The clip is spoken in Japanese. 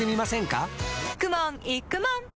かくもんいくもん